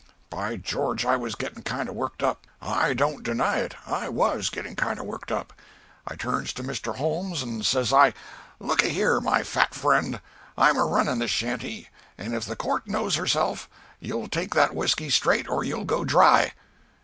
"By George, I was getting kind of worked up. I don't deny it, I was getting kind of worked up. I turns to Mr. Holmes, and says I, 'Looky here, my fat friend, I'm a running this shanty, and if the court knows herself, you'll take whiskey straight or you'll go dry.'